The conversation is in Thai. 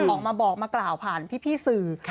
ออกมาบอกมากล่าวผ่านพี่สื่อ